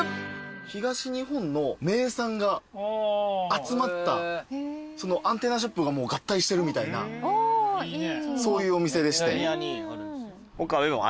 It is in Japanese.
東日本の名産が集まったアンテナショップが合体してるみたいなそういうお店でして。